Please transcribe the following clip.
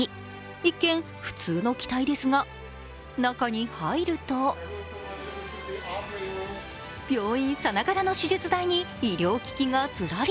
一見、普通の機体ですが中に入ると病院ならがはの手術台に医療機器がずらり。